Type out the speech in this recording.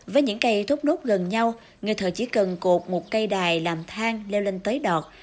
với những cây thốt nốt gần nhau người thợ chỉ cần cột một cây đài làm thang leo lên tới đọt